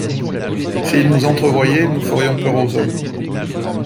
S’ils nous entrevoyaient, nous ferions peur aux hommes.